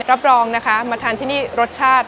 รับรองนะคะมาทานที่นี่รสชาติ